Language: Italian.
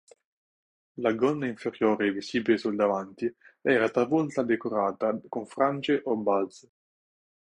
La gonna inferiore visibile sul davanti era talvolta decorata con frange o balze.